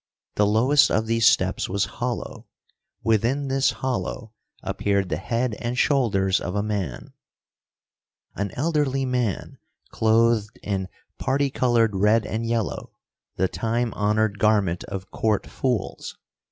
The lowest of these steps was hollow. Within this hollow appeared the head and shoulders of a man. An elderly man clothed in parti colored red and yellow, the time honored garment of court fools.